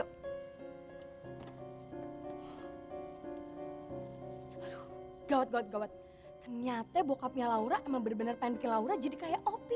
wah gawat gawat gawat ternyata bokapnya laura emang bener bener pengen bikin laura jadi kayak opi